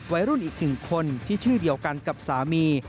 อีกหนึ่งคนที่ชื่อเดียวกันกับสามี